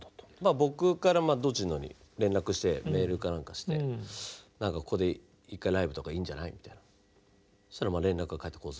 僕から堂珍の方に連絡してメールか何かしてここで１回ライブとかいいんじゃない？みたいなそしたら連絡が返ってこず。